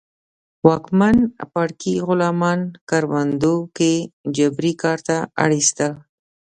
واکمن پاړکي غلامان کروندو کې جبري کار ته اړ اېستل